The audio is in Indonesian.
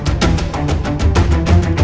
mendingan kamu masuk deh